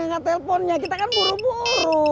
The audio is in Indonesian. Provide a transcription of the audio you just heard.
ntar aja yang nge telponnya kita kan buru buru